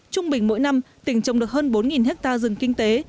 trung bình mỗi năm tỉnh trồng được hơn bốn hectare rừng kinh tế